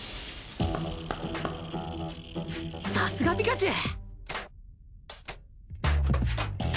さすがピカチュウ！